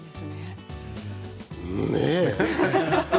ねえ。